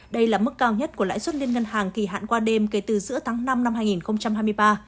đây là mức cao nhất của lãi suất liên ngân hàng kỳ hạn qua đêm kể từ giữa tháng năm năm hai nghìn hai mươi ba